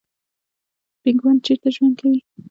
پینګوین چیرته ژوند کوي؟